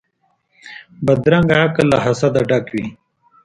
بدرنګه عقل له حسده ډک وي